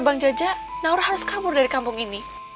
bang jaja naura harus kabur dari kampung ini